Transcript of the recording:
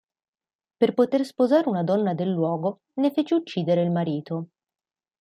Per poter sposare una donna del luogo, ne fece uccidere il marito.